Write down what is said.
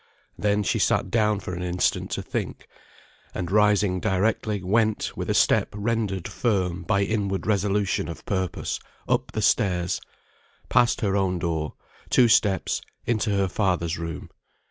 Then she sat down for an instant to think; and rising directly, went, with a step rendered firm by inward resolution of purpose, up the stairs; passed her own door, two steps, into her father's room.